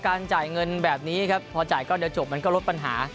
การจ่ายเงินแบบนี้พอจ่ายก็เดี๋ยวจบมันก็ลดปัญหา